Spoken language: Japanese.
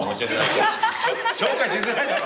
紹介しづらいだろ。